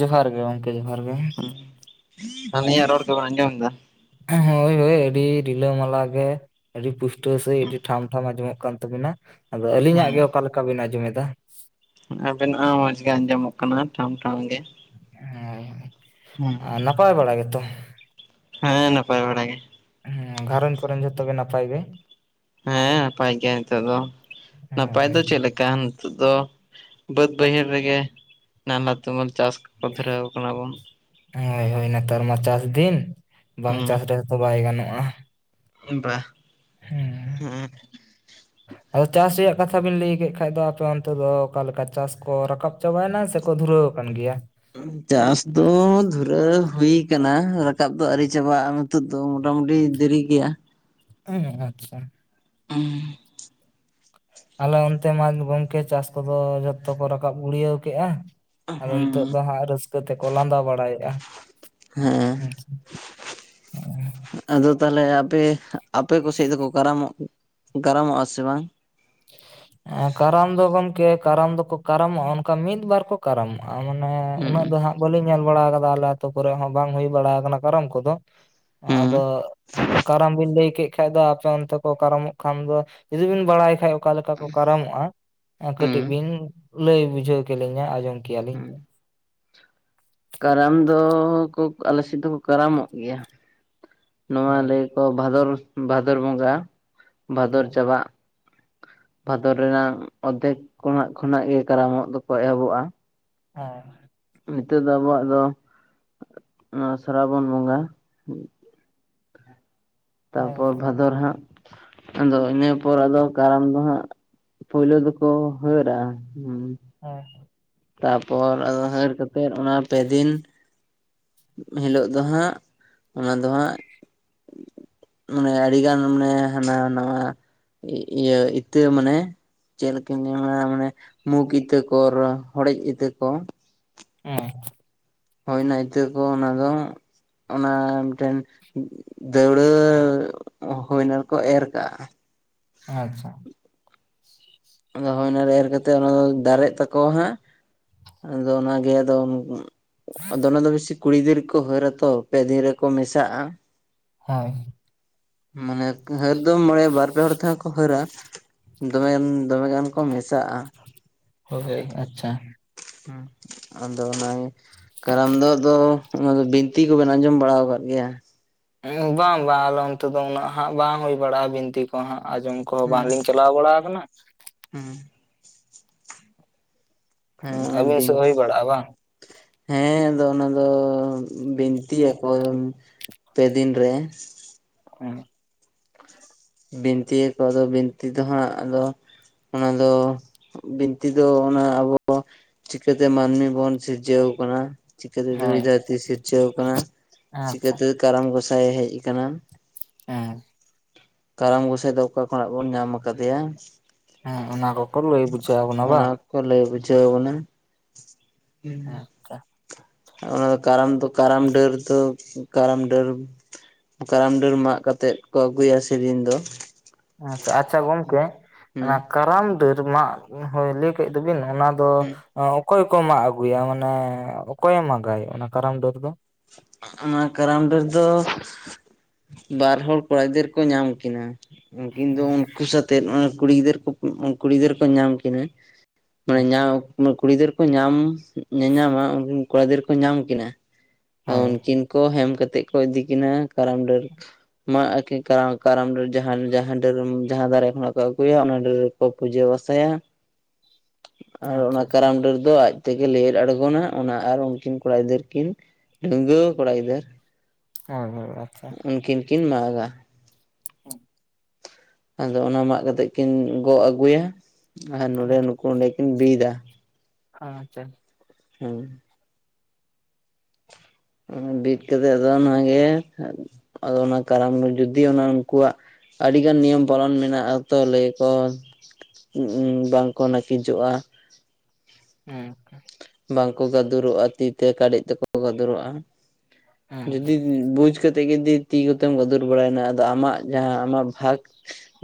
ᱡᱚᱦᱟᱨ ᱜᱮ ᱜᱚᱝᱠᱮ ᱡᱚᱦᱟᱨ ᱜᱮ ᱾ ᱟᱹᱞᱤᱧᱟᱜ ᱨᱚᱲ ᱫᱚᱢ ᱟᱸᱡᱚᱢ ᱫᱟ? ᱦᱳᱭ ᱦᱳᱭ ᱟᱹᱰᱤ ᱨᱤᱞᱟᱹᱢᱟᱞᱟ ᱜᱮ ᱟᱹᱰᱤ ᱯᱩᱥᱴᱟᱹ ᱥᱮ ᱟᱹᱰᱤ ᱴᱷᱟᱢ ᱴᱷᱟᱢ ᱟᱸᱡᱚᱢᱚᱜ ᱠᱟᱱ ᱛᱟᱹᱵᱤᱱᱟ ᱾ ᱟᱫᱚ ᱟᱹᱞᱤᱧᱟᱜ ᱜᱮ ᱚᱠᱟ ᱞᱮᱠᱟ ᱵᱤᱱ ᱟᱸᱡᱚᱢᱮᱫᱟ? ᱟᱵᱮᱱᱟᱜ ᱢᱚᱸᱡᱽ ᱜᱮ ᱟᱸᱡᱚᱢᱚᱜ ᱠᱟᱱᱟ ᱴᱷᱟᱢ ᱴᱷᱟᱢ ᱜᱮ ᱾ ᱦᱮᱸ ᱟᱨ ᱱᱟᱯᱟᱭ ᱵᱟᱲᱟ ᱜᱮᱛᱚ? ᱦᱮᱸ ᱱᱟᱯᱟᱭ ᱵᱟᱲᱟ ᱜᱮ ᱾ ᱦᱮᱸ ᱜᱷᱟᱨᱚᱧᱡᱽ ᱠᱚᱨᱮ ᱡᱷᱚᱛᱚ ᱜᱮ ᱱᱟᱯᱟᱭ ᱜᱮ? ᱦᱮᱸ ᱱᱟᱯᱟᱭ ᱜᱮᱭᱟ ᱱᱤᱛᱚᱜ ᱫᱚ ᱦᱳᱭ ᱱᱟᱯᱟᱭ ᱫᱚ ᱪᱮᱫ ᱞᱮᱠᱟ ᱱᱤᱛᱚᱜ ᱫᱚ ᱵᱟᱹᱫᱽ ᱵᱟᱹᱭᱦᱟᱹᱲ ᱨᱮᱜᱮ ᱱᱟᱞᱦᱟ ᱛᱩᱢᱟᱹᱞ ᱪᱟᱥᱠᱚ ᱫᱷᱩᱨᱟᱹᱣ ᱠᱟᱱᱟ ᱵᱚᱱ ᱾ ᱦᱳᱭ ᱦᱳᱭ ᱱᱮᱛᱟᱨ ᱢᱟ ᱪᱟᱥ ᱫᱤᱱ ᱵᱟᱝ ᱪᱟᱥ ᱨᱮᱛᱚ ᱵᱟᱭ ᱜᱟᱱᱚᱜᱼᱟ ᱾ ᱵᱟᱜ ᱾ ᱦᱮᱸ ᱟᱫᱚ ᱪᱟᱥ ᱨᱮᱭᱟᱜ ᱠᱟᱛᱷᱟ ᱵᱤᱱ ᱞᱟᱹᱭ ᱠᱮᱫ ᱠᱷᱟᱡ ᱫᱚ ᱟᱯᱮ ᱚᱱᱛᱮ ᱫᱚ ᱚᱠᱟᱞᱮᱠᱟ ᱪᱟᱥ ᱠᱚ ᱨᱟᱠᱟᱵᱼ ᱪᱟᱵᱟᱭᱮᱱᱟ ᱥᱮᱠᱚ ᱫᱷᱩᱨᱟᱹᱣ ᱟᱠᱟᱱ ᱜᱮᱭᱟ? ᱪᱟᱥ ᱫᱚ ᱫᱷᱩᱨᱟᱹ ᱦᱩᱭ ᱠᱟᱱᱟ ᱨᱟᱠᱟᱵ ᱫᱚ ᱟᱹᱣᱨᱤ ᱪᱟᱵᱟᱜᱼᱟ ᱱᱤᱛᱚᱜ ᱫᱚ ᱢᱚᱴ ᱢᱩᱴᱚ ᱢᱩᱴᱤ ᱫᱮᱨᱤ ᱜᱮᱭᱟ ᱾ ᱦᱮᱸ ᱟᱪᱪᱷᱟ [inaudible] [unintelligible] ᱟᱞᱮ ᱚᱱᱛᱮ ᱢᱟ ᱜᱚᱢᱠᱮ ᱪᱟᱥ ᱠᱚᱫᱚ ᱡᱷᱚᱛᱚ ᱠᱚ ᱨᱟᱠᱟᱵ ᱜᱩᱲᱭᱟᱹᱣ ᱠᱮᱜᱼᱟ ᱟᱫᱚ ᱱᱤᱛᱚᱜ ᱫᱚ ᱦᱟᱸᱜ ᱨᱟᱹᱥᱠᱟᱹ ᱛᱮᱠᱚ ᱞᱟᱸᱫᱟ ᱵᱟᱲᱟᱭᱮᱜᱼᱟ ᱾ ᱦᱮᱸ ᱟᱫᱚ ᱛᱟᱦᱚᱞᱮ ᱟᱯᱮ ᱟᱯᱮ ᱠᱚ ᱥᱮᱫ ᱫᱚᱠᱚ ᱠᱟᱨᱟᱢᱚᱜ ᱠᱟᱨᱟᱢᱚᱜᱼᱟ ᱥᱮ ᱵᱟᱝ? ᱦᱮᱸ ᱠᱟᱨᱟᱢ ᱫᱚ ᱜᱚᱢᱠᱮ ᱠᱟᱨᱟᱢ ᱫᱚᱠᱚ ᱠᱟᱨᱟᱢᱚᱜᱼᱟ ᱚᱱᱠᱟ ᱢᱤᱫ ᱵᱟᱨ ᱠᱚ ᱠᱟᱨᱟᱢᱚᱜᱼᱟ ᱾ ᱟᱨ ᱢᱟᱱᱮ ᱩᱱᱟᱹᱜ ᱫᱚ ᱦᱩᱸ ᱦᱟᱸᱜ ᱵᱟᱹᱞᱤᱧ ᱧᱮᱞ ᱵᱟᱲᱟ ᱟᱠᱟᱫᱟ ᱟᱞᱮ ᱟᱛ ᱠᱚᱨᱮ ᱦᱚᱸ ᱵᱟᱝ ᱦᱩᱭ ᱵᱟᱲᱟ ᱟᱠᱟᱱᱟ ᱠᱟᱨᱟᱢ ᱠᱚᱫᱚ ᱟᱫᱚ ᱦᱩᱸ ᱠᱟᱨᱟᱢ ᱵᱤᱱ ᱞᱟᱹᱭ ᱠᱮᱫᱼ ᱼᱠᱷᱟᱡ ᱫᱚ ᱟᱯᱮ ᱚᱱᱛᱮ ᱠᱚ ᱠᱟᱨᱟᱢᱚᱜ ᱠᱷᱟᱱ ᱫᱚ ᱡᱩᱫᱤ ᱵᱮᱱ ᱵᱟᱲᱟᱭ ᱠᱷᱟᱡ ᱚᱠᱟ ᱞᱮᱠᱟ ᱠᱚ ᱠᱟᱨᱟᱢᱚᱜᱼᱟ ᱠᱟᱹᱴᱤᱡ ᱦᱩᱸ ᱵᱤᱱ ᱞᱟᱹᱭ ᱵᱩᱡᱷᱟᱹᱣ ᱠᱞᱤᱧᱟ ᱟᱸᱡᱚᱢ ᱠᱮᱭᱟᱞᱤᱧ ᱾ ᱦᱩᱸ ᱠᱟᱨᱟᱢ ᱫᱚ ᱠᱚ ᱟᱞᱮ ᱥᱮᱫ ᱫᱚᱠᱚ ᱠᱟᱨᱟᱢᱚᱜ ᱜᱮᱭᱟ ᱱᱚᱣᱟ ᱦᱮᱸ ᱞᱮ ᱠᱚ ᱵᱷᱟᱫᱚᱨ ᱵᱷᱟᱫᱚᱨ ᱵᱚᱸᱜᱟ ᱵᱷᱟᱫᱚᱨ ᱦᱮᱸ ᱪᱟᱵᱟᱜ ᱵᱷᱟᱫᱚᱨ ᱨᱮᱱᱟᱜ ᱚᱨᱫᱷᱮᱠ ᱠᱚᱱᱟᱜ ᱠᱷᱚᱱᱟᱜ ᱜᱮ ᱠᱟᱨᱟᱢᱚᱜ ᱫᱚᱠᱚ ᱮᱦᱚᱵᱚᱜᱼᱟ ᱾ ᱚ ᱱᱤᱛᱚᱜ ᱫᱚ ᱟᱵᱚᱣᱟᱜ ᱫᱚ ᱥᱨᱟᱵᱚᱱ ᱵᱚᱸᱜᱟ ᱛᱟᱯᱚᱨ ᱦᱮᱸ ᱵᱷᱟᱫᱚᱨ ᱦᱟᱸᱜ ᱟᱫᱚ ᱤᱱᱟᱹ ᱯᱚᱨ ᱟᱫᱚ ᱠᱟᱨᱟᱢ ᱫᱚ ᱦᱟᱸᱜ ᱯᱳᱭᱞᱳ ᱫᱚᱠᱚ ᱦᱟᱹᱨᱟ ᱚ ᱛᱟᱯᱚᱨ ᱟᱫᱚ ᱦᱟᱹᱨ ᱠᱟᱛᱮᱫ ᱚᱱᱟ ᱯᱮᱫᱤᱱ ᱦᱤᱞᱳᱜ ᱫᱚ ᱦᱟᱸᱜ ᱚᱱᱟ ᱫᱚ ᱦᱟᱸᱜ ᱢᱟᱱᱮ ᱟᱹᱰᱤᱜᱟᱱ ᱢᱟᱱᱮ ᱦᱟᱱᱟ ᱱᱟᱣᱟ ᱤᱭᱟᱹ ᱤᱛᱟᱹ ᱢᱟᱱᱮ ᱪᱮᱫ ᱞᱮᱠᱟ ᱧᱟᱢᱟ ᱢᱟᱱᱮ ᱢᱩᱜᱽ ᱤᱛᱟᱹ ᱠᱚ ᱦᱚᱲᱮᱡ ᱤᱛᱟᱹ ᱠᱚ [unintelligible] ᱦᱳᱭ ᱚᱱᱟ ᱤᱛᱟᱹ ᱠᱚ ᱚᱱᱟ ᱫᱚ ᱚᱱᱟ ᱢᱤᱫᱴᱮᱱ ᱫᱟᱹᱣᱲᱟᱹ ᱦᱳᱭ ᱚᱱᱟ ᱠᱚ ᱮᱨ ᱠᱟᱜᱼᱟ ᱟᱪᱪᱷᱟ ᱟᱫᱚ ᱦᱳᱭ ᱚᱱᱟᱨᱮ ᱠᱟᱛᱮ ᱚᱱᱟ ᱫᱚ ᱫᱟᱨᱮᱜ ᱛᱟᱠᱚᱣᱟ ᱦᱟᱸᱜ ᱟᱫᱚ ᱚᱱᱟᱜᱮ ᱟᱫᱚ ᱟᱫᱚ ᱚᱱᱟ ᱫᱚ ᱵᱤᱥᱤ ᱠᱩᱲᱤ ᱜᱤᱫᱽᱨᱟᱹ ᱜᱮᱠᱚ ᱦᱟᱹᱨ ᱟᱛᱚ ᱯᱮ ᱫᱤᱱ ᱨᱮᱠᱚ ᱢᱮᱥᱟᱜᱼᱟ᱾ ᱦᱳᱭ ᱢᱟᱱᱮ ᱦᱟᱹᱨ ᱫᱚ ᱢᱚᱬᱮ ᱵᱟᱨ ᱯᱮ ᱦᱚᱲ ᱛᱮᱦᱚᱸ ᱠᱚ ᱦᱟᱹᱨᱟ ᱫᱚᱢᱮᱟᱱ ᱫᱚᱢᱮᱜᱟᱱ ᱠᱚ ᱢᱮᱥᱟᱜᱼᱟ ᱦᱳᱭ ᱟᱪᱪᱷᱟ ᱦᱩ ᱟᱫᱚ ᱚᱱᱟᱜᱮ ᱠᱟᱨᱟᱢ ᱫᱚ ᱟᱫᱚ ᱚᱱᱟ ᱫᱚ ᱵᱤᱱᱛᱤ ᱠᱚᱵᱮᱱ ᱟᱸᱡᱚᱢ ᱵᱟᱲᱟᱣᱟᱠᱟᱫ ᱜᱮᱭᱟ ᱵᱟᱝ ᱵᱟᱝ ᱟᱞᱮ ᱚᱱᱛᱮ ᱫᱚ ᱩᱱᱟᱹᱜ ᱦᱟᱸᱜ ᱦᱩᱭ ᱵᱟᱲᱟᱜᱼᱟ ᱵᱤᱱᱛᱤ ᱠᱚ᱾ ᱠᱚ ᱦᱟᱸᱜ ᱟᱸᱡᱚᱢ ᱠᱚᱦᱚᱸ ᱦᱩᱸ ᱵᱟᱝᱞᱤᱧ ᱪᱟᱞᱟᱣ ᱵᱟᱲᱟ ᱟᱠᱟᱱᱟ᱾ [unintelligible] ᱦᱮᱸ ᱟᱹᱵᱤᱱ ᱥᱮᱫ ᱵᱤᱱ ᱦᱩᱭ ᱵᱟᱲᱟᱜᱼᱟ ᱵᱟᱝ ᱦᱮᱸ ᱟᱫᱚ ᱚᱱᱟᱫᱚ ᱵᱤᱱᱛᱤᱭᱟᱠᱚ ᱯᱮ ᱫᱤᱱ ᱨᱮ [unintelligible] ᱵᱤᱱᱛᱤᱭᱟᱠᱚ ᱟᱫᱚ ᱵᱤᱱᱛᱤ ᱫᱚ ᱦᱟᱸᱜ ᱟᱫᱚ ᱚᱱᱟ ᱫᱚ ᱵᱤᱱᱛᱤ ᱫᱚ ᱚᱱᱟ ᱟᱵᱚ ᱪᱤᱠᱟᱹᱛᱮ ᱢᱟᱹᱱᱢᱤ ᱵᱚᱱ ᱥᱤᱨᱡᱟᱹᱣ ᱟᱠᱟᱱᱟ ᱪᱤᱠᱟᱹᱛᱮ ᱦᱳᱭ ᱫᱷᱩᱲᱤ ᱫᱷᱟᱹᱨᱛᱤ ᱥᱤᱨᱡᱟᱹᱣ ᱟᱠᱟᱱᱟ ᱟᱪᱪᱷᱟ ᱪᱤᱠᱟᱹᱛᱮ ᱠᱟᱨᱟᱢ ᱜᱚᱸᱥᱟᱭ ᱦᱮᱡ ᱟᱠᱟᱱᱟ ᱦᱮ ᱠᱟᱨᱟᱢ ᱜᱚᱸᱥᱟᱭ ᱫᱚ ᱚᱠᱟ ᱠᱷᱚᱱᱟᱜ ᱵᱚᱱ ᱧᱟᱢ ᱟᱠᱟᱫᱮᱭᱟ᱾ ᱦᱮᱸ ᱚᱱᱟ ᱠᱚᱠᱚ ᱞᱟᱹᱭ ᱵᱩᱡᱷᱟᱹᱣ ᱟᱵᱚ ᱱᱟ ᱵᱟᱝ ᱚᱱᱟ ᱠᱚ ᱞᱟᱹᱭ ᱵᱩᱡᱷᱟᱹᱣ ᱵᱚᱱᱟ [unintelligible] ᱚᱱᱟ ᱫᱚ ᱠᱟᱨᱟᱢ ᱫᱚ ᱠᱟᱨᱟᱢ ᱰᱟᱹᱨ ᱫᱚ ᱠᱟᱨᱟᱢ ᱰᱟᱹᱨ ᱠᱟᱨᱟᱢ ᱰᱟᱹᱨ ᱢᱟᱜ ᱠᱟᱛᱮᱜ ᱠᱚ ᱟᱹᱜᱩᱭᱟ ᱥᱮ ᱫᱤᱱ ᱫᱚ ᱟᱪᱪᱷᱟ ᱟᱪᱪᱷᱟ ᱜᱚᱝᱠᱮ ᱚᱱᱟ ᱦᱩᱸ ᱠᱟᱨᱟᱢ ᱰᱟᱹᱨ ᱢᱟᱜ ᱦᱳᱭ ᱞᱟᱹᱭ ᱠᱮᱫ ᱫᱚ ᱵᱤᱱ ᱚᱱᱟ ᱫᱚ ᱚᱠᱚᱭ ᱠᱚ ᱢᱟᱜ ᱟᱹᱜᱩᱭᱼᱟ ᱢᱟᱱᱮ ᱚᱠᱚᱭᱮ ᱢᱟᱜᱟᱭ ᱚᱱᱟ ᱠᱟᱨᱟᱢ ᱰᱟᱹᱨ ᱫᱚ ᱚᱱᱟ ᱠᱟᱨᱟᱢ ᱰᱟᱹᱨ ᱫᱚ ᱵᱟᱨ ᱦᱚᱲ ᱠᱚᱲᱟ ᱜᱤᱫᱟᱹᱨ ᱠᱚ ᱧᱟᱢ ᱠᱤᱱᱟ ᱩᱱᱠᱤᱱ ᱫᱚ ᱦᱮᱸ ᱩᱱᱠᱩ ᱥᱟᱛᱮᱫ ᱠᱩᱲᱤ ᱜᱤᱫᱟᱹᱨ ᱠᱚ ᱠᱩᱲᱤ ᱜᱤᱫᱟᱹᱨ ᱠᱚ ᱧᱟᱢ ᱠᱤᱱᱟ ᱢᱟᱱᱮ ᱦᱮᱸ ᱧᱟᱢ ᱠᱩᱲᱤ ᱜᱤᱫᱟᱹᱨ ᱠᱚ ᱧᱟᱢ ᱧᱟᱧᱟᱢᱟ ᱩᱱᱠᱤᱱ ᱠᱚᱲᱟ ᱜᱤᱫᱟᱹᱨ ᱠᱚ ᱧᱟᱢ ᱠᱤᱱᱟ᱾ ᱦᱳᱭ ᱩᱱᱠᱤᱱ ᱠᱚ ᱦᱮᱢ ᱠᱟᱛᱮᱜ ᱠᱚ ᱤᱫᱤ ᱠᱤᱱᱟᱹ ᱠᱟᱨᱟᱢ ᱰᱟᱹᱨ ᱢᱟᱜ ᱟᱠᱤᱱ ᱠᱟᱨᱟᱢ ᱠᱟᱨᱟᱢ ᱰᱟᱹᱨ ᱡᱟᱸᱦᱟ ᱰᱟᱹᱨ ᱡᱟᱦᱟᱸ ᱫᱟᱨᱮ ᱠᱷᱚᱱᱟᱜ ᱟᱹᱜᱩᱭᱟ ᱚᱱᱟ ᱰᱟᱹᱨ ᱠᱚ ᱯᱩᱡᱟᱹ ᱯᱟᱥᱟ ᱭᱟ [inaudible] ᱟᱨ ᱟᱪᱪᱷᱟ ᱚᱱᱟ ᱟᱪᱪᱷᱟ ᱠᱟᱨᱟᱢ ᱰᱟᱹᱨ ᱫᱚ ᱟᱡ ᱛᱮᱜᱮ ᱞᱮᱣᱮᱫ ᱟᱲᱜᱳ ᱱᱟ ᱚᱱᱟ ᱟᱨ ᱩᱱᱠᱤᱱ ᱠᱚᱲᱟ ᱜᱤᱫᱟᱹᱨ ᱠᱤᱱ ᱰᱟᱹᱝᱣᱟᱹ ᱠᱚᱲᱟ ᱜᱤᱫᱟᱹᱨ [unintelligible] ᱩᱱᱠᱤᱱ ᱠᱤᱱ ᱢᱟᱜ-ᱟ [unintelligible] ᱟᱫᱚ ᱚᱱᱟ ᱢᱟᱜ ᱠᱟᱛᱮᱜ ᱠᱤᱱ ᱜᱚᱜ ᱟᱹᱜᱩᱭᱼᱟ ᱟᱨ ᱱᱚᱰᱮ ᱱᱩᱠᱩ ᱚᱸᱰᱮ ᱠᱤᱱ ᱵᱤᱫᱟ ᱟᱪᱪᱷᱟ ᱦᱮᱸ ᱵᱤᱫ ᱠᱟᱛᱮᱜ ᱟᱫᱚ ᱚᱱᱟ ᱜᱮ ᱟᱫᱚ ᱚᱱᱟ ᱠᱟᱨᱟᱢ ᱡᱩᱫᱤ ᱚᱱᱟ ᱩᱱᱠᱩᱣᱟᱜ ᱟᱹᱰᱤ ᱜᱟᱱ ᱱᱤᱭᱚᱢ ᱯᱟᱞᱚᱱ ᱢᱮᱱᱟᱜᱼᱟ ᱛᱚ ᱞᱟᱹᱭ ᱟᱠᱚ ᱵᱟᱝ ᱠᱚ ᱱᱟᱹᱠᱤᱡᱚᱜᱼᱟ ᱦᱮᱸ ᱵᱟᱝ ᱠᱚ ᱜᱟᱫᱩᱨᱚᱜᱼᱟ ᱛᱤ ᱛᱮ ᱠᱟᱹᱰᱮᱡ ᱛᱮᱠᱚ ᱜᱟᱫᱩᱨᱚᱜᱼᱟ ᱦᱮᱸ ᱡᱩᱫᱤ ᱵᱩᱡᱽ ᱠᱟᱛᱮᱫ ᱜᱮ ᱛᱤ ᱠᱚᱛᱮᱢ ᱜᱟᱫᱩᱨ ᱵᱟᱲᱟᱭ ᱮᱱᱟ ᱟᱫᱚ ᱟᱢᱟᱜ ᱡᱟᱸᱦᱟ ᱟᱢᱟᱜ ᱵᱷᱟᱜᱽ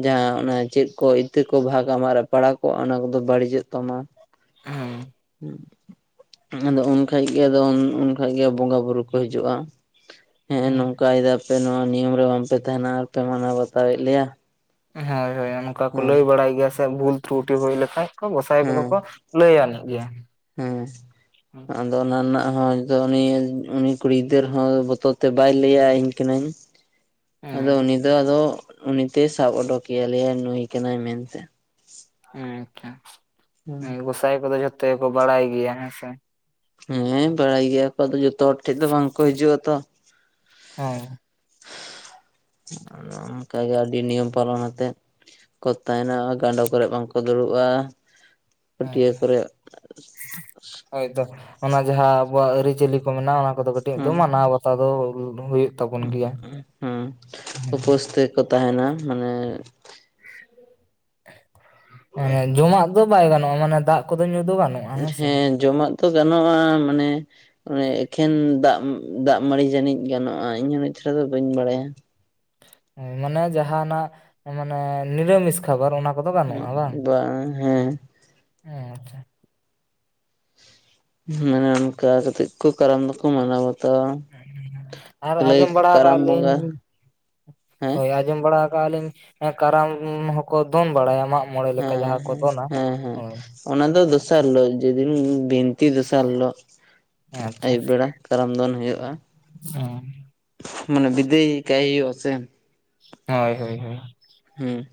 ᱡᱟᱸᱦᱟ ᱚᱱᱟ ᱪᱮᱫ ᱠᱚ ᱤᱛᱟᱹ ᱠᱚ ᱵᱷᱟᱜᱽ ᱟᱢᱟᱜ ᱨᱮ ᱯᱟᱲᱟᱣ ᱠᱚᱜᱼᱟ ᱚᱱᱟ ᱠᱚᱫᱚ ᱵᱟᱹᱲᱤ‌ᱡᱚᱜ ᱛᱟᱢᱟ ᱦᱮᱸ [unintelligible] ᱟᱫᱚ ᱩᱱ ᱠᱷᱟᱡ ᱜᱮ ᱟᱫᱚ ᱩᱱ ᱠᱷᱟᱡ ᱜᱮ ᱵᱚᱸᱜᱟ ᱵᱩᱨᱩ ᱠᱚ ᱦᱤᱡᱩᱜᱼᱟ ᱦᱮᱸ ᱱᱚᱝᱠᱟᱭ ᱮᱫᱟ ᱯᱮ ᱱᱚᱣᱟ ᱱᱤᱭᱚᱢ ᱨᱮ ᱵᱟᱝ ᱯᱮ ᱛᱟᱦᱮᱱᱟ ᱵᱟᱝ ᱯᱮ ᱢᱟᱱᱟᱣ ᱵᱟᱛᱟᱣ ᱮᱫ ᱞᱮᱭᱟ ᱦᱳᱭ ᱦᱳᱭ ᱚᱱᱠᱟ ᱠᱚ ᱞᱟᱹᱭ ᱦᱮᱸ ᱵᱟᱲᱟᱭ ᱜᱮᱭᱟ ᱥᱮ ᱵᱷᱩᱞ ᱛᱨᱩᱴᱤ ᱦᱩᱭ ᱞᱮᱠᱷᱟᱡ ᱜᱚᱸᱥᱟᱭ ᱠᱚᱫᱚ ᱠᱚ ᱦᱮᱸ ᱞᱟᱹᱭ ᱟᱹᱱᱤᱡ ᱜᱮᱭᱟ ᱦᱮᱸ ᱟᱫᱚ ᱚᱱᱟ ᱨᱮᱱᱟᱜ ᱦᱚᱸ ᱩᱱᱤ ᱩᱱᱤ ᱠᱩᱲᱤ ᱜᱤᱫᱟᱹᱨ ᱦᱚᱸ ᱵᱚᱛᱚᱨ ᱛᱮ ᱵᱟᱭ ᱞᱟᱹᱭ-ᱟ ᱤᱧ ᱠᱟᱹᱱᱟᱹᱧ [unintelligible] ᱟᱫᱚ ᱩᱱᱤ ᱫᱚ ᱟᱫᱚ ᱩᱱᱤ ᱛᱮ ᱥᱟᱵ ᱳᱰᱳᱠ ᱮᱭᱟᱭ ᱞᱟᱹᱭᱟᱭ ᱱᱩᱭ ᱠᱟᱱᱟᱭ ᱢᱮᱱ ᱛᱮ ᱟᱪᱪᱷᱟ ᱜᱚᱸᱥᱟᱭ ᱠᱚᱫᱚ ᱡᱷᱚᱛᱚ ᱜᱮ ᱠᱚ ᱵᱟᱲᱟᱭ ᱜᱮᱭᱟ ᱦᱮᱸ ᱥᱮ ᱦᱮᱸ ᱵᱟᱲᱟᱭ ᱜᱮᱭᱟ ᱠᱚ ᱟᱫᱚ ᱡᱚᱛᱚ ᱦᱚᱲ ᱴᱷᱮᱡ ᱫᱚ ᱵᱟᱝ ᱠᱚ ᱦᱤᱡᱩᱜᱼᱟ ᱛᱚ [unintelligible] ᱚᱱᱮ ᱚᱱᱠᱟ ᱜᱮ ᱟᱹᱰᱤ ᱱᱤᱭᱚᱢ ᱯᱟᱞᱚᱱ ᱟᱛᱮᱫ ᱠᱚ ᱛᱟᱦᱮᱱᱟ ᱜᱟᱸᱰᱳ ᱠᱚᱨᱮ ᱵᱟᱝ ᱠᱚ ᱫᱩᱲᱩᱵᱼᱟ ᱯᱟᱹᱴᱭᱟᱹ ᱦᱮᱸ ᱠᱚᱨᱮ ᱦᱳᱭ ᱛᱚ ᱚᱱᱟ ᱡᱟᱸᱦᱟ ᱟᱵᱚᱣᱟᱜ ᱟᱹᱨᱤ ᱪᱟᱹᱞᱤ ᱠᱚ ᱢᱮᱱᱟᱜᱼᱟ ᱚᱱᱟ ᱠᱚᱫᱚ ᱠᱟᱹᱴᱤᱡ ᱫᱚ ᱦᱮᱸ ᱢᱟᱱᱟᱣ ᱵᱟᱛᱟᱣ ᱫᱚ ᱦᱳᱭᱳᱜ ᱦᱮᱸ ᱩᱯᱟᱹᱥ ᱛᱮ ᱠᱚ ᱛᱟᱦᱮᱱᱟ ᱢᱟᱱᱮ ᱢᱟᱱᱮ ᱡᱚᱢᱟᱜ ᱫᱚ ᱵᱟᱭ ᱜᱟᱱᱚᱜᱼᱟ ᱢᱟᱱᱮ ᱫᱟᱜ ᱠᱚᱫᱚ ᱧᱩ ᱫᱚ ᱜᱟᱱᱚᱜᱼᱟ ᱦᱮᱸᱥᱮ ᱦᱮᱸ ᱡᱚᱢᱟᱜ ᱛᱚ ᱜᱟᱱᱚᱜᱼᱟ ᱢᱟᱱᱮ ᱚᱱᱮ ᱮᱠᱷᱮᱱ ᱫᱟᱜ ᱫᱟᱜ ᱢᱟᱹᱲᱤ ᱡᱟᱹᱱᱤᱡ ᱜᱟᱱᱚᱜᱼᱟ ᱤᱧᱦᱚ ᱩᱱᱟᱹᱝ ᱪᱮᱨᱦᱟ ᱫᱚ ᱵᱟᱹᱧ ᱵᱟᱲᱟᱭᱟ ᱢᱟᱱᱮ ᱡᱟᱦᱟᱱᱟᱜ ᱢᱟᱱᱮ ᱱᱤᱨᱟᱢᱤᱥ ᱠᱷᱟᱵᱟᱨ ᱚᱱᱟ ᱠᱚᱫᱚ ᱜᱟᱱᱚᱜᱼᱟ ᱵᱟᱝ ᱵᱟ ᱦᱮᱸ ᱦᱮᱸ ᱟᱪᱪᱷᱟ ᱢᱟᱱᱮ ᱚᱱᱠᱟ ᱠᱟᱛᱮᱜ ᱠᱚ ᱠᱟᱨᱟᱢ ᱫᱚᱠᱚ ᱢᱟᱱᱟᱣ ᱵᱟᱛᱟᱣᱟ ᱟᱨ ᱞᱟᱹᱭ ᱟᱸᱡᱚᱢ ᱵᱟᱲᱟ ᱠᱟᱨᱟᱢ ᱟᱠᱟᱜᱼᱟ ᱞᱤᱧ ᱵᱚᱸᱜᱟ ᱦᱮᱸ ᱦᱳᱭ ᱟᱸᱡᱚᱢ ᱵᱟᱲᱟ ᱟᱠᱟᱜᱼᱟ ᱞᱤᱧ ᱠᱟᱨᱟᱢ ᱦᱚᱸᱠᱚ ᱫᱚᱱ ᱵᱟᱲᱟᱭᱟ ᱢᱚᱬᱮ ᱞᱮᱠᱟ ᱦᱮᱸ ᱡᱟᱦᱟᱸ ᱠᱚ ᱦᱮᱸ ᱫᱚᱱᱟ ᱦᱮᱸ ᱦᱮᱸ ᱦᱳᱭ ᱚᱱᱟ ᱫᱚ ᱫᱚᱥᱟᱨ ᱟᱪᱪᱷᱟ ᱦᱤᱞᱳᱜ ᱡᱮᱫᱤᱱ ᱵᱤᱱ ᱛᱤ ᱫᱚᱥᱟᱨ ᱦᱤᱞᱳᱜ ᱟᱪᱪᱷᱟ ᱟᱹᱭᱩᱵ ᱵᱮᱲᱟ ᱠᱟᱨᱟᱢ ᱫᱚᱱ ᱦᱳᱭᱳᱜᱼᱟ ᱢᱟᱱᱮ ᱵᱤᱫᱟᱹᱭ ᱠᱟᱭ ᱦᱳᱭᱳᱜ-ᱟ ᱥᱮ ᱦᱳᱭ ᱦᱳᱭ ᱦᱳᱭ ᱦᱮᱸ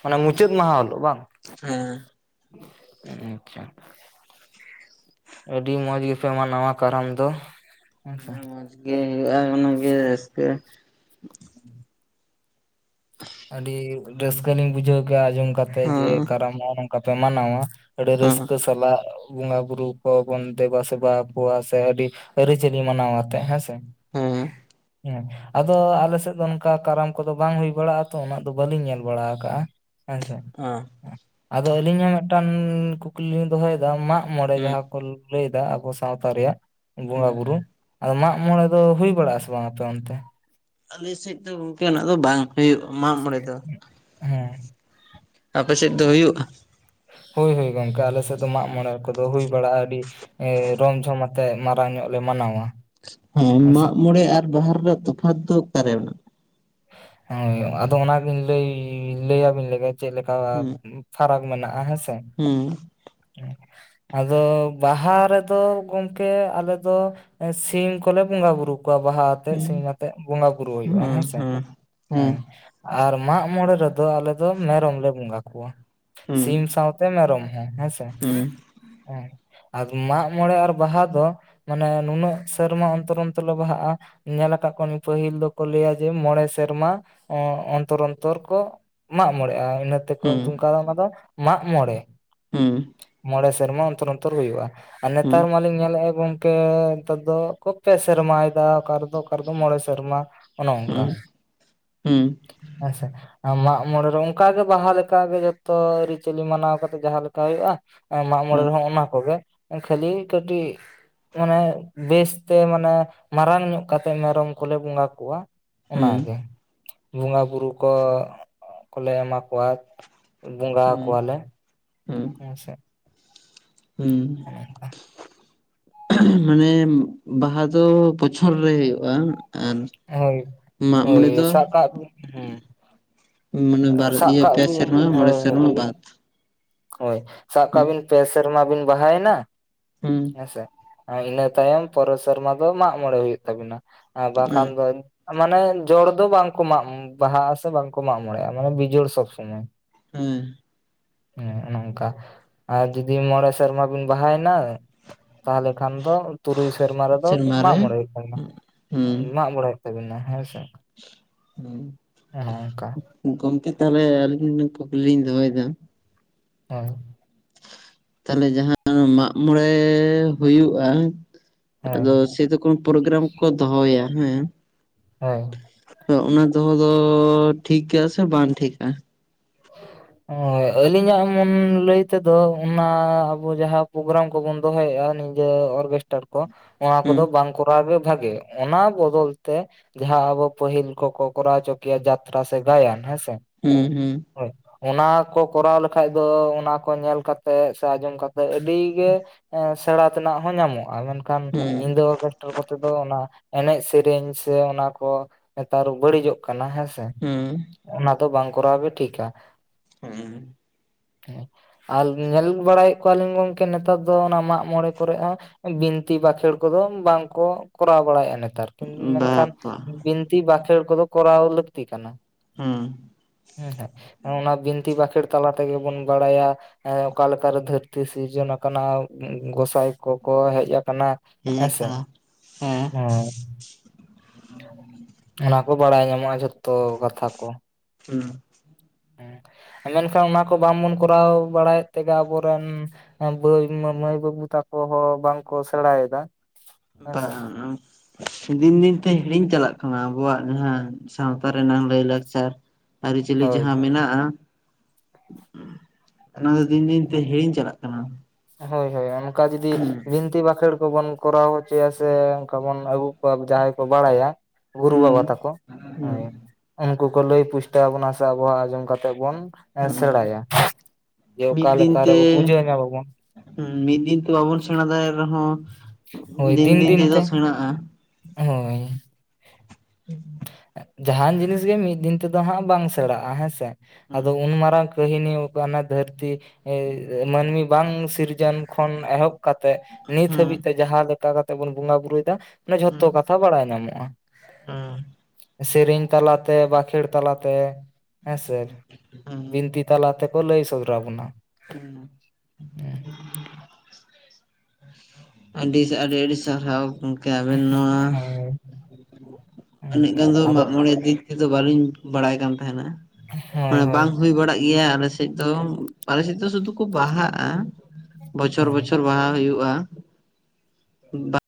ᱢᱟᱱᱮ ᱢᱩᱪᱟᱹᱫ ᱢᱟᱦᱟ ᱦᱤᱞᱳᱜ ᱵᱟᱝ ᱦᱮᱸ ᱟᱪᱪᱷᱟ ᱟᱹᱰᱤ ᱢᱚᱸᱡᱽ ᱜᱮᱯᱮ ᱢᱟᱱᱟᱣᱟ ᱠᱟᱨᱟᱢ ᱫᱚ ᱦᱮᱸᱥᱮ ᱦᱮᱸ ᱢᱚᱡᱽ ᱜᱮ ᱦᱳᱭᱳᱜᱼᱟ ᱚᱱᱟ ᱜᱮ ᱨᱟᱹᱥᱠᱟᱹ ᱟᱹᱰᱤ ᱨᱟᱹᱥᱠᱟᱹ ᱞᱤᱧ ᱵᱩᱡᱷᱟᱹᱣ ᱠᱮᱜᱼᱟ ᱟᱸᱡᱚᱢ ᱠᱟᱛᱮᱫ ᱡᱮ ᱦᱮᱸ ᱠᱟᱨᱟᱢ ᱦᱚᱸ ᱱᱚᱝᱠᱟ ᱯᱮ ᱢᱟᱱᱟᱣᱟ ᱟᱹᱰᱤ ᱦᱮᱸ ᱦᱮᱸ ᱨᱟᱹᱥᱠᱟᱹ ᱥᱟᱞᱟᱜ ᱵᱚᱸᱜᱟ ᱵᱩᱨᱩ ᱠᱚᱵᱚᱱ ᱫᱮᱵᱟ ᱥᱮᱵᱟ ᱠᱚᱣᱟ ᱥᱮ ᱟᱹᱰᱤ ᱟᱹᱨᱤᱪᱟᱹᱞᱤ ᱢᱟᱱᱟᱣ ᱟᱛᱮ ᱦᱮᱸ ᱥᱮ ᱦᱮᱸ ᱦᱮᱸ ᱦᱮᱸ ᱦᱮᱸ ᱟᱫᱚ ᱟᱞᱮ ᱥᱮᱫ ᱫᱚ ᱱᱚᱝᱠᱟ ᱠᱟᱨᱟᱢ ᱠᱚᱫᱚ ᱵᱟᱝ ᱦᱩᱭ ᱵᱟᱲᱟᱜᱼᱟ ᱛᱚ ᱩᱱᱟᱹ ᱫᱚ ᱵᱟᱹᱞᱤᱧ ᱧᱮᱞ ᱵᱟᱲᱟ ᱠᱟᱜᱼᱟ ᱦᱮᱸᱥᱮ ᱟᱫᱚ ᱟᱹᱞᱤᱧ ᱦᱚᱸ ᱢᱤᱫᱴᱟᱝ ᱠᱩᱠᱞᱤ ᱞᱤᱧ ᱫᱚᱦᱚᱭᱫᱟ ᱢᱟᱜ ᱢᱚᱬᱮ ᱡᱟᱦᱟᱸ ᱠᱚ ᱞᱟᱹᱭᱫᱟ ᱟᱵᱚ ᱥᱟᱶᱛᱟ ᱨᱮᱭᱟᱜ ᱵᱚᱸᱜᱟ ᱵᱩᱨᱩ ᱟᱫᱚ ᱢᱟᱜ ᱢᱚᱬᱮ ᱫᱚ ᱦᱩᱭ ᱵᱟᱲᱟᱜ ᱟᱥᱮ ᱵᱟᱝ ᱟᱯᱮ ᱚᱱᱛᱮ ᱟᱞᱮ ᱥᱮᱫ ᱫᱚ ᱜᱚᱢᱠᱮ ᱩᱱᱟᱹᱜ ᱫᱚ ᱵᱟᱝ ᱦᱳᱭᱳᱜ ᱢᱟᱜ ᱢᱚᱬᱮ ᱫᱚ ᱦᱮᱸ ᱟᱯᱮ ᱥᱮᱫ ᱫᱚ ᱦᱳᱭᱳᱜᱼᱟ ᱦᱳᱭ ᱦᱳᱭ ᱜᱚᱢᱠᱮ ᱟᱞᱮ ᱥᱮᱫ ᱫᱚ ᱢᱟᱜ ᱢᱚᱬᱮ ᱠᱚᱫᱚ ᱦᱩᱭ ᱵᱟᱲᱟᱜᱼᱟ ᱟᱹᱰᱤ ᱮ ᱨᱚᱢ ᱡᱷᱚᱢ ᱟᱛᱮᱜ ᱢᱟᱨᱟᱝ ᱧᱚᱜ ᱞᱮ ᱢᱟᱱᱟᱣᱟ ᱦᱮᱸ ᱦᱮᱸᱥᱮ ᱢᱟᱜ ᱢᱚᱬᱮ ᱟᱨ ᱵᱟᱦᱟ ᱨᱮᱭᱟᱜ ᱛᱚᱯᱷᱟᱛ ᱫᱚ ᱚᱠᱟᱨᱮ ᱢᱮᱱᱟᱜᱼᱟ ᱦᱳᱭ ᱟᱫᱚ ᱚᱱᱟᱜᱤᱧ ᱞᱟᱹᱭ, ᱞᱟᱹᱭ ᱟᱹᱵᱤᱱ ᱞᱮᱜᱮ ᱪᱮᱫ ᱞᱮᱠᱟ ᱯᱷᱟᱨᱟᱠ ᱢᱮᱱᱟᱜᱼᱟ ᱦᱮᱸᱥᱮ ᱦᱮᱸ ᱟᱫᱚ ᱵᱟᱦᱟ ᱨᱮᱫᱚ ᱜᱚᱢᱠᱮ ᱟᱞᱮ ᱫᱚ ᱥᱤᱢ ᱠᱚᱞᱮ ᱵᱚᱸᱜᱟ ᱵᱩᱨᱩ ᱠᱚᱣᱟ ᱵᱟᱦᱟ ᱛᱮᱜ ᱥᱤᱧ ᱟᱛᱮᱜ ᱵᱚᱸᱜᱟ ᱵᱩᱨᱩ ᱦᱩᱭᱩᱜᱼᱟ ᱦᱮᱸᱥᱮ ᱦᱮᱸ ᱟᱨ ᱢᱟᱜ ᱢᱚᱬᱮ ᱨᱮᱫᱚ ᱟᱞᱮ ᱫᱚ ᱢᱮᱨᱚᱢ ᱞᱮ ᱵᱚᱸᱜᱟ ᱠᱚᱣᱟ ᱥᱤᱢ ᱥᱟᱶ ᱛᱮ ᱢᱮᱨᱚᱢ ᱦᱚᱸ ᱦᱮᱸᱥᱮ ᱦᱮᱸ ᱟᱨ ᱢᱟᱜ ᱢᱚᱬᱮ ᱟᱨ ᱵᱟᱦᱟ ᱫᱚ ᱢᱟᱱᱮ ᱱᱩᱱᱟᱹᱜ ᱥᱮᱨᱢᱟ ᱚᱱᱛᱚᱨ ᱚᱱᱛᱚᱨ ᱞᱮ ᱵᱟᱦᱟᱜᱼᱟ ᱧᱮᱞ ᱟᱠᱟᱫ ᱠᱚᱣᱟᱞᱤᱧ ᱯᱟᱹᱦᱤᱞ ᱫᱚᱠᱚ ᱞᱟᱹᱭᱟ ᱡᱮ ᱢᱚᱬᱮ ᱥᱮᱨᱢᱟ ᱚᱱᱛᱚᱨ ᱚᱱᱛᱚᱨ ᱠᱚ ᱢᱟᱜ ᱢᱚᱬᱮᱜᱼᱟ ᱤᱱᱟᱹ ᱛᱮᱠᱚ ᱧᱩᱛᱩᱢ ᱠᱟᱣᱫᱟ ᱚᱱᱟ ᱫᱚ ᱢᱟᱜ ᱢᱚᱬᱮ ᱦᱩ ᱢᱚᱬᱮ ᱥᱮᱨᱢᱟ ᱚᱱᱛᱚᱨ ᱚᱱᱛᱚᱨ ᱦᱳᱭᱳᱜᱼᱟ ᱟᱨ ᱱᱮᱛᱟᱨ ᱢᱟᱞᱤᱧ ᱧᱮᱞᱮᱜᱼᱟ [unintelligible] ᱠᱮ, ᱱᱮᱛᱟᱨ ᱫᱚ-ᱠᱚ [unintelligible] ᱥᱮᱨᱢᱟᱭ ᱫᱟ ᱚᱠᱟ ᱨᱮᱫᱚ ᱚᱠᱟ ᱨᱮᱫᱚ ᱢᱚᱬᱮ ᱥᱮᱨᱢᱟ ᱚᱱᱮ ᱚᱱᱠᱟ ᱦᱩ ᱦᱮᱸᱥᱮ ᱢᱟᱜ ᱢᱚᱬᱮ ᱨᱮ ᱚᱱᱠᱟ ᱜᱮ ᱵᱟᱦᱟ ᱞᱮᱠᱟ ᱜᱮ ᱡᱚᱛᱚ ᱟᱹᱨᱤᱪᱟᱹᱞᱤ ᱢᱟᱱᱟᱣ ᱠᱟᱛᱮ ᱡᱟᱦᱟᱸ [unintelligible] ᱠᱟ, ᱦᱳᱭᱳᱜᱼᱟ, ᱢᱟᱜ ᱢᱚᱬᱮ ᱨᱮᱦᱚᱸ ᱚᱱᱟ ᱠᱚᱜᱮ ᱠᱷᱟᱹᱞᱤ ᱠᱟᱹᱴᱤᱡ ᱢᱟᱱᱮ ᱵᱮᱥᱛᱮ ᱢᱟᱱᱮ ᱢᱟᱨᱟᱝ ᱧᱚᱜ ᱠᱟᱛᱮᱜ ᱢᱮᱨᱚᱢ ᱠᱚᱞᱮ ᱵᱚᱸᱜᱟ ᱠᱚᱣᱟ ᱚᱱᱟᱜᱮ ᱵᱚᱸᱜᱟᱼᱵᱩᱨᱩ ᱠᱚ ᱠᱚᱞᱮ ᱮᱢᱟ ᱠᱚᱣᱟ ᱵᱚᱸᱜᱟ ᱟᱠᱚᱣᱟᱞᱮ ᱦᱮᱸ ᱥᱮ ᱦᱩᱸ ᱢᱟᱱᱮ ᱵᱟᱦᱟ ᱫᱚ ᱵᱚᱪᱷᱚᱨ ᱨᱮ ᱦᱩᱭᱩᱜᱼᱟ ᱟᱨ ᱦᱚᱭ ᱢᱟᱜ ᱢᱚᱬᱮ ᱫᱚ [unintelligible] ᱢᱟᱱᱮ ᱵᱟᱨ ᱤᱭᱟᱹ ᱯᱮ ᱥᱮᱨᱢᱟ ᱢᱚᱬᱮ ᱥᱮᱨᱢᱟ ᱵᱟᱫᱽ ᱦᱚᱭ ᱥᱟᱵ ᱠᱟᱜ ᱵᱤᱱ ᱯᱮ ᱥᱮᱨᱢᱟ ᱵᱤᱱ ᱵᱟᱦᱟ ᱮᱱᱟ ᱦᱩᱸ ᱦᱮᱸ ᱥᱮ ᱤᱱᱟᱹ ᱛᱟᱭᱚᱢ ᱯᱚᱨᱮ ᱥᱮᱨᱢᱟ ᱫᱚ ᱢᱟᱜ ᱢᱚᱬᱮ ᱦᱩᱭᱩᱜ ᱛᱟᱹᱵᱤᱱᱟ ᱟᱨ ᱵᱟᱝ ᱠᱷᱟᱱ ᱟᱸ, ᱫᱚ ᱢᱟᱱᱮ ᱡᱚᱲ ᱫᱚ ᱵᱟᱝ ᱠᱚ ᱢᱟᱜ ᱵᱟᱦᱟᱜᱼᱟ ᱥᱮ ᱵᱟᱝ ᱠᱚ ᱢᱟᱜ ᱢᱚᱬᱮᱜᱼᱟ ᱢᱟᱱᱮ ᱵᱤᱡᱚᱲ ᱥᱚᱵᱽ ᱥᱚᱢᱚᱭ ᱦᱩᱸ ᱦᱩᱸ ᱚᱱᱮ ᱚᱱᱠᱟ ᱟᱨ ᱡᱩᱫᱤ ᱢᱚᱬᱮ ᱥᱮᱨᱢᱟ ᱵᱤᱱ ᱵᱟᱦᱟ ᱮᱱᱟ ᱛᱟᱦᱚᱞᱮ ᱠᱷᱟᱱ ᱫᱚ ᱛᱩᱨᱩᱭ ᱥᱮᱨᱢᱟ ᱨᱮᱫᱚ ᱥᱮᱨᱢᱟ ᱢᱟᱜ ᱨᱮ ᱢᱚᱬᱮ ᱦᱩᱭᱩᱜ ᱛᱟᱹᱵᱤᱱᱟ ᱢᱟᱜ ᱢᱚᱬᱮ ᱛᱟᱹᱵᱤᱱᱟ ᱦᱮᱸ ᱥᱮ [inaudible] ᱚᱱᱮ ᱚᱱᱠᱟ ᱜᱚᱝᱠᱮ ᱛᱟᱦᱚᱞᱮ ᱟᱹᱞᱤᱧ ᱠᱩᱠᱞᱤ ᱞᱤᱧ ᱫᱚᱦᱚ ᱮᱫᱟ [inaudible] ᱛᱟᱦᱚᱞᱮ ᱡᱟᱦᱟᱸ ᱢᱟᱜ ᱢᱚᱬᱮ ᱦᱩᱭᱩᱜᱼᱟ ᱦᱳᱭ ᱟᱫᱚ ᱥᱮ ᱫᱚ ᱠᱚ ᱯᱨᱳᱜᱨᱟᱢ ᱠᱚ ᱫᱚᱦᱚᱭᱟ ᱦᱮᱸ ᱦᱚᱭ ᱚᱱᱟ ᱫᱚᱦᱚ ᱫᱚ ᱴᱷᱤᱠ ᱜᱮᱭᱟ ᱥᱮ ᱵᱟᱝ ᱴᱷᱤᱠᱟ [inaudible] ᱟᱹᱞᱤᱧ ᱟᱜ ᱢᱚᱱ ᱞᱟᱹᱭ ᱛᱮᱫᱚ ᱚᱱᱟ ᱟᱵᱚ ᱡᱟᱦᱟᱸ ᱯᱨᱳᱜᱨᱟᱢ ᱠᱚ ᱵᱚᱱ ᱫᱚᱦᱚᱭᱮᱫᱼᱟ ᱱᱤᱡᱮ ᱚᱨᱜᱮᱥᱴᱟᱹᱨ ᱠᱚ ᱚᱱᱟ ᱦᱩᱸ ᱠᱚᱫᱚ ᱵᱟᱝ ᱠᱚᱨᱟᱣ ᱜᱮ ᱵᱷᱟᱜᱮ ᱚᱱᱟ ᱵᱚᱫᱚᱞ ᱛᱮ ᱡᱟᱦᱟᱸ ᱟᱵᱚ ᱯᱟᱹᱦᱤᱞ ᱠᱚ-ᱠᱚ ᱠᱚᱨᱟᱣ ᱚᱪᱚ ᱠᱮᱭᱟ ᱡᱟᱛᱨᱟ ᱥᱮ ᱜᱟᱭᱟᱱ ᱦᱮᱸ ᱥᱮ ᱦᱩᱸ ᱦᱩᱸ ᱦᱚᱭ ᱚᱱᱟ ᱠᱚ ᱠᱚᱨᱟᱣ ᱞᱮ ᱠᱷᱟᱡ ᱫᱚ ᱚᱱᱟ ᱠᱚ ᱧᱮᱞ ᱠᱟᱛᱮ ᱥᱮ ᱟᱸᱡᱚᱢ ᱠᱟᱛᱮ ᱟᱹᱰᱤ ᱜᱮ ᱥᱮᱬᱟ ᱛᱮᱱᱟᱜ ᱦᱚᱸ ᱧᱟᱢᱚᱜᱼᱟ ᱢᱮᱱ ᱠᱷᱟᱱ ᱦᱩᱸ ᱧᱤᱫᱟᱹ ᱠᱚᱛᱮ ᱫᱚ ᱚᱱᱟ ᱮᱱᱮᱡ ᱥᱮᱨᱮᱧ ᱥᱮ ᱚᱱᱟ ᱠᱚ ᱱᱮᱛᱟᱨ ᱵᱟᱹᱲᱤᱡᱚᱜ ᱠᱟᱱᱟ ᱦᱮᱸ ᱥᱮ ᱦᱩᱸ ᱚᱱᱟ ᱫᱚ ᱵᱟᱝ ᱠᱚᱨᱟᱣ ᱜᱮ ᱴᱷᱤᱠᱟ [unintelligible] ᱦᱮᱸ ᱟᱨ ᱧᱮᱞ ᱵᱟᱲᱟᱭᱮᱫ ᱠᱚᱣᱟ ᱞᱤᱧ ᱜᱚᱝᱠᱮ ᱱᱮᱛᱟᱨ ᱫᱚ ᱚᱱᱟ ᱢᱟᱜ ᱢᱚᱬᱮ ᱠᱚᱨᱮ ᱦᱚᱸ ᱵᱤᱱᱛᱤ ᱵᱟᱠᱷᱮᱬ ᱠᱚ ᱫᱚ ᱵᱟᱝ ᱠᱚ ᱠᱚᱨᱟᱣ ᱵᱟᱲᱟᱭᱮᱜᱼᱟ ᱱᱮᱛᱟᱨ ᱢᱮᱱᱠᱷᱟᱱ ᱵᱟᱯᱟ ᱵᱤᱱ ᱵᱤᱱᱛᱤ ᱵᱟᱠᱷᱮᱬ ᱠᱚᱫᱚ ᱠᱚᱨᱟᱣ ᱞᱟᱹᱠᱛᱤ ᱠᱟᱱᱟ ᱦᱩᱸ ᱦᱩᱸ ᱦᱮᱸ ᱚᱱᱟ ᱵᱤᱱᱛᱤ ᱵᱟᱠᱷᱮᱬ ᱛᱟᱞᱟ ᱛᱮᱜᱮ ᱵᱚᱱ ᱵᱟᱲᱟᱭᱟ ᱦᱮᱸ ᱚᱠᱟ ᱞᱮᱠᱟ ᱨᱮ ᱫᱷᱟᱹᱨᱛᱤ ᱥᱤᱨᱡᱚᱱ ᱟᱠᱟᱱᱟ ᱜᱚᱸᱥᱟᱭ ᱠᱚᱠᱚ ᱦᱮᱡ ᱟᱠᱟᱱᱟ ᱦᱮᱡ ᱦᱮᱸ ᱥᱮ ᱟᱠᱟᱱᱟ [unintelligible] ᱚᱱᱟ ᱠᱚ ᱵᱟᱲᱟᱭ ᱧᱟᱢᱚᱜᱼᱟ ᱡᱚᱛᱚ ᱠᱟᱛᱷᱟ ᱠᱚ [unintelligible] ᱦᱮᱸ ᱢᱮᱱ ᱠᱷᱟᱱ ᱚᱱᱟ ᱠᱚ ᱵᱟᱝ ᱵᱚᱱ ᱠᱚᱨᱟᱣ ᱵᱟᱲᱟ ᱮᱫ ᱛᱮ ᱜᱮ ᱟᱵᱚ ᱨᱮᱱ ᱫᱟᱹᱭ ᱢᱟᱹᱭ ᱵᱟᱹᱵᱩ ᱛᱟᱠᱚ ᱦᱚᱸ ᱵᱟᱝ ᱠᱚ ᱥᱮᱬᱟ ᱮᱫᱟ ᱵᱟᱝ [inaudible] ᱫᱤᱱ ᱫᱤᱱ ᱛᱮ ᱦᱤᱲᱤᱧ ᱪᱟᱞᱟᱜ ᱠᱟᱱᱟ ᱟᱵᱚᱣᱟᱜ ᱡᱟᱦᱟᱸ ᱥᱟᱶᱛᱟ ᱨᱮᱱᱟᱜ ᱞᱟᱹᱭ ᱞᱟᱠᱪᱟᱨ᱾ ᱟᱹᱨᱤ ᱪᱟᱞᱤ ᱦᱳᱭ ᱡᱟᱦᱟᱸ ᱢᱮᱱᱟᱜᱼᱟ᱾ ᱚᱱᱟ ᱫᱚ ᱫᱤᱱ ᱫᱤᱱ ᱛᱮ ᱦᱤᱲᱤᱧ ᱪᱟᱞᱟᱜ ᱠᱟᱱᱟ᱾ ᱦᱚᱭ ᱦᱚᱭ ᱚᱱᱠᱟ ᱡᱩᱫᱤ ᱦᱩᱸ ᱵᱤᱱᱛᱤ ᱵᱟᱠᱷᱮᱬ ᱠᱚ ᱵᱚᱱ ᱠᱚᱨᱟᱣ ᱦᱚᱪᱚᱣᱟ ᱥᱮ ᱚᱱᱠᱟ ᱵᱚᱱ ᱟᱹᱜᱩ ᱠᱚᱣᱟ ᱡᱟᱦᱟᱸᱭ ᱠᱚ ᱵᱟᱲᱟᱭᱟ ᱜᱩᱨᱩ ᱦᱩᱸ ᱵᱟᱵᱟ ᱛᱟᱠᱚ ᱦᱩᱸ ᱩᱱᱠᱩ ᱠᱚ ᱞᱟᱹᱭ ᱯᱩᱥᱴᱟᱹᱣ ᱟᱵᱚᱱᱟ ᱥᱮ ᱟᱵᱚ ᱦᱚᱸ ᱟᱸᱡᱚᱢ ᱠᱟᱛᱮᱜ ᱵᱚᱱ ᱦᱩᱸ ᱥᱮᱲᱟᱭᱟ ᱡᱮ ᱚᱠᱟ ᱢᱤᱫ ᱫᱤᱱ ᱞᱮᱠᱟ ᱨᱮ ᱛᱮ ᱵᱩᱡᱷᱟᱹᱣ ᱧᱟᱢᱟ ᱵᱚᱱ ᱢᱤᱫ ᱫᱤᱱ ᱛᱮ ᱵᱟᱵᱚᱱ ᱥᱮᱸᱬᱟ ᱫᱟᱲᱮ ᱟᱜ ᱨᱮᱦᱚᱸ ᱫᱤᱱ ᱫᱤᱱ ᱛᱮᱫᱚ ᱥᱮᱸᱲᱟᱜᱼᱟ᱾ [unintelligible] [inaudible] ᱡᱟᱦᱟᱱ ᱡᱤᱱᱤᱥ ᱜᱮ ᱢᱤᱫ ᱫᱤᱱ ᱛᱮᱫᱚ ᱦᱟᱸᱜ ᱵᱟᱝ ᱥᱮᱬᱟᱜᱼᱟ ᱦᱮᱸᱥᱮ ᱦᱩᱸ ᱟᱫᱚ ᱩᱱ ᱢᱟᱨᱟᱝ᱾ ᱠᱟᱹᱦᱤᱱᱤ ᱳ ᱠᱟᱱᱟ ᱫᱷᱟᱹᱨᱛᱤ ᱢᱟᱹᱱᱢᱤ ᱵᱟᱝ ᱥᱤᱨᱡᱚᱱ ᱠᱷᱚᱱ ᱮᱦᱚᱵ ᱠᱟᱛᱮᱜ ᱱᱤᱛ ᱦᱟᱹᱵᱤᱡ ᱛᱮ ᱡᱟᱦᱟᱸ ᱞᱮᱠᱟ ᱠᱟᱛᱮᱜ ᱵᱚᱱ ᱵᱚᱸᱜᱟ ᱵᱩᱨᱩ ᱭᱮᱫᱟ ᱡᱷᱚᱛᱚ ᱠᱟᱛᱷᱟ ᱵᱟᱲᱟᱭ ᱧᱟᱢᱚᱜᱼᱟ᱾ ᱦᱩᱸ [inaudible] ᱥᱮᱨᱮᱧ ᱛᱟᱞᱟ ᱛᱮ ᱵᱟᱸᱠᱷᱮᱲ ᱛᱟᱞᱟ ᱛᱮ ᱦᱮᱸ ᱥᱮ ᱦᱩᱸ ᱵᱤᱱᱛᱤ ᱛᱟᱦᱚᱞᱮ ᱟᱯᱮ ᱯᱮ ᱞᱟᱹᱭ ᱥᱚᱫᱚᱨᱟ ᱵᱚᱱᱟ [inaudible] ᱟᱹᱰᱤ ᱥᱮ ᱟᱹᱰᱤ ᱟᱹᱰᱤ ᱥᱟᱨᱦᱟᱣ ᱜᱚᱢᱠᱮ ᱟᱵᱤᱱ ᱱᱚᱣᱟ ᱦᱳᱭ ᱦᱮᱸ ᱩᱱᱟᱹᱜ ᱜᱟᱱ ᱫᱚ ᱟᱫᱚ ᱢᱟᱜᱢᱚᱬᱮ ᱫᱤᱠ ᱛᱮᱫᱚ ᱵᱟᱹᱞᱤᱧ ᱵᱟᱲᱟᱭ ᱠᱟᱱ ᱛᱟᱦᱮᱸᱱᱟ᱾ ᱦᱳᱭ ᱦᱳᱭ ᱵᱟᱝ ᱦᱩᱭ ᱵᱟᱲᱟᱜ ᱜᱮᱭᱟ ᱟᱞᱮ ᱥᱮᱫ ᱫᱚ ᱟᱞᱮ ᱥᱮᱫ ᱫᱚ ᱥᱩᱫᱩ ᱠᱚ ᱵᱟᱦᱟᱜᱼᱟ᱾ ᱵᱚᱪᱷᱚᱨ ᱦᱳᱭ ᱵᱚᱪᱷᱚᱨ ᱵᱟᱦᱟ ᱦᱩᱭᱩᱜᱼᱟ [inaudible]